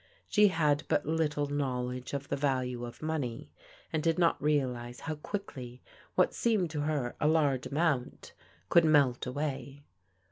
She had but little knowledge of the value of money, and did not realize how quickly what seemed to her a large amount could melt away.